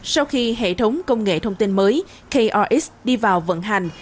sau khi hệ thống công nghệ thông tin mới krx đi vào vận hành